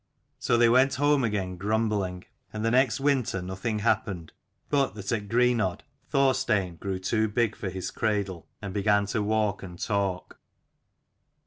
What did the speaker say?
So they went home again grumbling ; and the next winter nothing happened, but that at Greenodd, Thorstein grew too big for his cradle, and began to walk and talk.